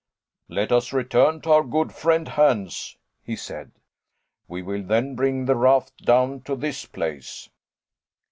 "Let us return to our good friend, Hans," he said; "we will then bring the raft down to this place."